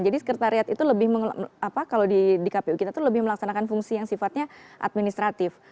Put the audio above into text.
jadi sekretariat itu lebih apa kalau di kpu kita itu lebih melaksanakan fungsi yang sifatnya administratif